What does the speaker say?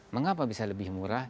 mengapa bisa lebih murah